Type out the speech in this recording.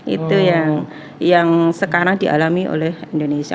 itu yang sekarang dialami oleh indonesia